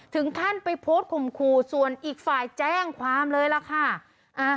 ถึงขั้นไปโพสต์ข่มขู่ส่วนอีกฝ่ายแจ้งความเลยล่ะค่ะ